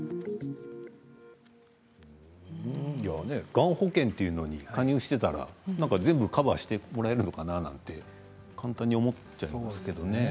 がん保険というのに加入していたら全部カバーしてもらえるのかなって簡単に思っちゃいますけどね。